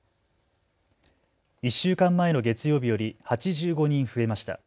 １週間前の月曜日より８５人増えました。